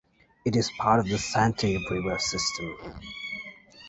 It is part of the Santee River System.